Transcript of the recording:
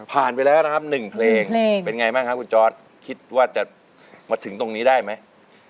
ไปแล้วนะครับ๑เพลงเป็นไงบ้างครับคุณจอร์ดคิดว่าจะมาถึงตรงนี้ได้ไหม